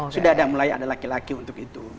sudah ada mulai ada laki laki untuk itu